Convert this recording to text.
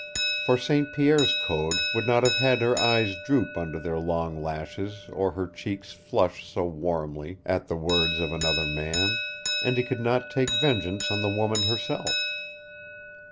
For St. Pierre's code would not have had her eyes droop under their long lashes or her cheeks flush so warmly at the words of another man and he could not take vengeance on the woman herself.